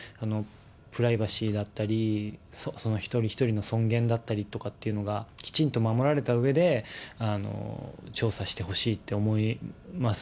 プライバシーだったり、一人一人の尊厳だったりとかっていうのがきちんと守られたうえで、調査してほしいって思います。